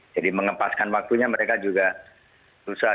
jadi mengepaskan waktunya mereka juga susah